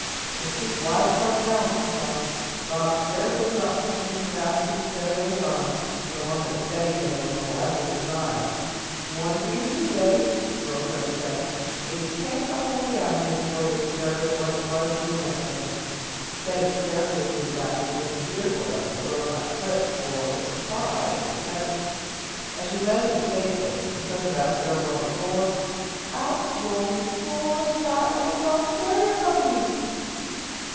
With feet wide apart to balance himself, Rob carefully dropped something from the basket he carried on his arm to the one that Betty dangled on a level with his eyes. "One for you, too, Betty," the girls heard him say, but he had cantered off down the avenue before they discovered what it was he had left for them. Betty carefully drew the basket in, fearful lest the rope might slip, for "the surprise" was heavy. As she landed it safely and turned the basket over on the floor, out rolled four fat little fox terrier puppies.